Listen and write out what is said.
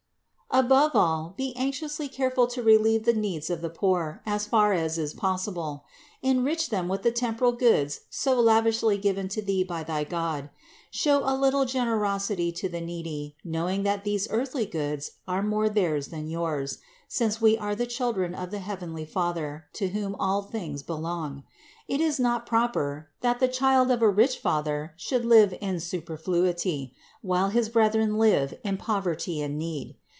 Above all be anxiously careful to relieve the needs of the poor, as far as is possible; enrich them with the temporal goods so lavishly given to thee by thy God ; show a like generosity to the needy, knowing that these earthly goods are more theirs than yours, since we are the children of the heav enly Father to whom all things belong. It is not proper, that the child of a rich father should live in superfluity, while his brethren live in poverty and need.